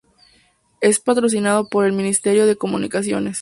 Es patrocinado por el Ministerio de Comunicaciones.